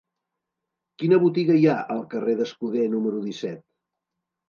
Quina botiga hi ha al carrer d'Escuder número disset?